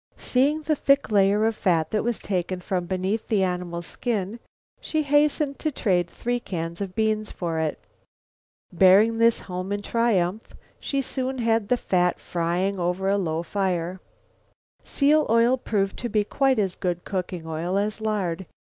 Seeing the thick layer of fat that was taken from beneath the animal's skin she hastened to trade three cans of beans for it. Bearing this home in triumph she soon had the fat trying out over a slow fire. Seal oil proved to be quite as good cooking oil as lard.